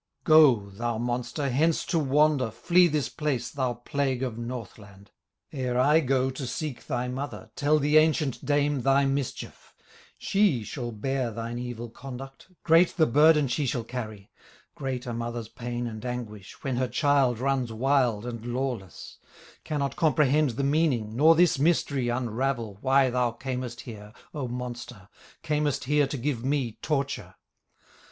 "Go, thou monster, hence to wander, Flee this place, thou plague of Northland, Ere I go to seek thy mother, Tell the ancient dame thy mischief; She shall bear thine evil conduct, Great the burden she shall carry; Great a mother's pain and anguish, When her child runs wild and lawless; Cannot comprehend the meaning, Nor this mystery unravel, Why thou camest here, O monster, Camest here to give me torture.